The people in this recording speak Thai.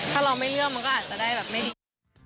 ถ้าเราไม่เลือกมันก็อาจจะได้แบบไม่ดี